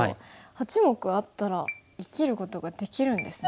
８目あったら生きることができるんですね。